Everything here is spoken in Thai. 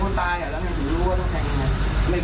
ตอนประมาณปี๒เกือบปี๓แล้ว